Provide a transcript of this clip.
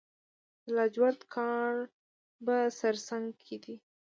د لاجورد کان په سرسنګ کې دی